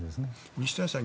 西谷さん